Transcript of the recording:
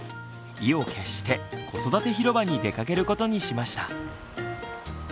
意を決して子育て広場に出かけることにしました。